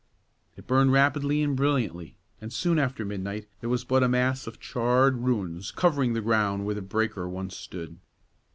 It burned rapidly and brilliantly, and soon after midnight there was but a mass of charred ruins covering the ground where once the breaker stood.